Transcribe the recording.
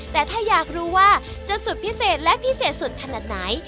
แต่ถ้าอยากรู้ว่าจะสุดพิเศษและพิเศษสุดขนาดไหน